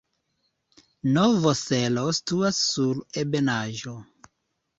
Novo Selo situas sur ebenaĵo.